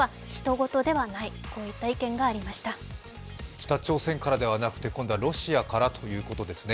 北朝鮮からではなくて、今度はロシアからということですね。